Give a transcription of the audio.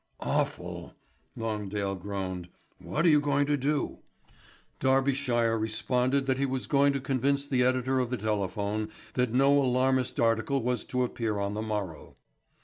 '" "Awful!" Longdale groaned. "What are you going to do?" Derbyshire responded that he was going to convince the editor of the Telephone that no alarmist article was to appear on the morrow.